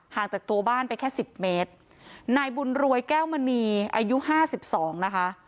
ห่างจากตัวบ้านไปแค่๑๐เมตรนายบุญรวยแก้วมณีอายุ๕๒นะคะ